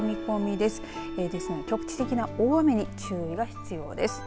ですので局地的な大雨に注意が必要です。